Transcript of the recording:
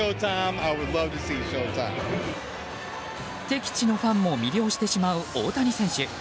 敵地のファンも魅了してしまう大谷選手。